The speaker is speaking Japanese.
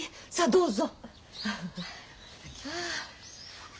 どうぞ。